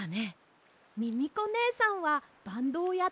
ミミコねえさんはバンドをやっていたんですか？